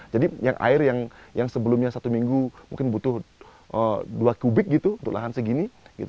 jadi yang air yang sebelumnya satu minggu mungkin butuh dua kubik gitu untuk lahan segini